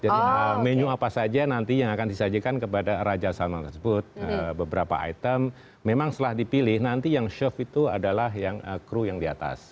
jadi menu apa saja nanti yang akan disajikan kepada rajasana tersebut beberapa item memang setelah dipilih nanti yang chef itu adalah yang crew yang di atas